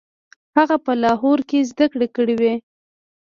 هغه په لاهور کې زده کړې کړې وې.